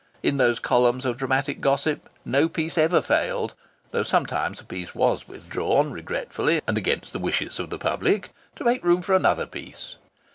In those columns of dramatic gossip no piece ever failed, though sometimes a piece was withdrawn, regretfully and against the wishes of the public, to make room for another piece.